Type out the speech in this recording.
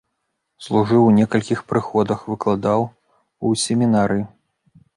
Служыў у некалькіх прыходах, выкладаў у семінарыі.